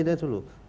ini yang dulu